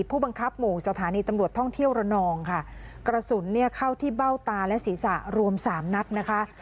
ผู้บังคับหมู่สถานีตำรวจท่องเที่ยวระนองค่ะกระสุนเนี่ยเข้าที่เบ้าตาและศีรษะรวมสามนัดนะคะ